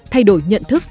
thay đổi nhận thức